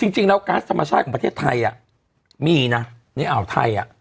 จริงแล้วก๊าซธรรมชาติของประเทศไทยมีนะในอ่าวไทย